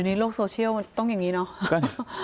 ในโลกโซเชียลมันต้องอย่างนี้เนาะ